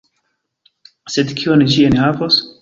Sed kion ĝi enhavos?